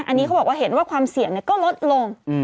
อันนี้เขาบอกว่าเห็นว่าความเสี่ยงก็ลดลง